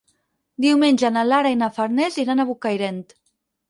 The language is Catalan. Diumenge na Lara i na Farners iran a Bocairent.